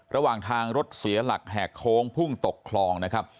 ระหว่างทางรถเสียหลักแหกโค้งพุ่งตกคลองนะครับ